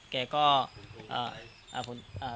แกก็เอ่อ